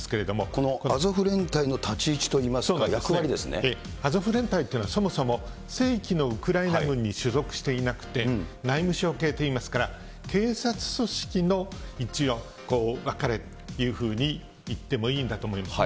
このアゾフ連隊の立ち位置とアゾフ連隊というのは、そもそも正規のウクライナ軍に所属していなくて、内務省系といいますから、警察組織の位置に置かれているといってもいいんだと思います。